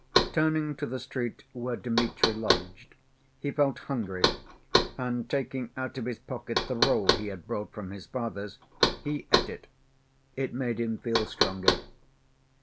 Turning to the street where Dmitri lodged, he felt hungry, and taking out of his pocket the roll he had brought from his father's, he ate it. It made him feel stronger.